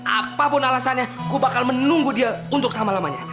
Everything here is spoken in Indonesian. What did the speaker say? apapun alasannya ku bakal menunggu dia untuk selama lamanya